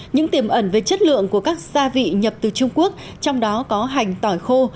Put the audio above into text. những tiềm ẩn về chất lượng của các gia vị nhập từ trung quốc trong đó có hành tỏi khô